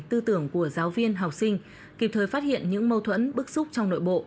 tư tưởng của giáo viên học sinh kịp thời phát hiện những mâu thuẫn bức xúc trong nội bộ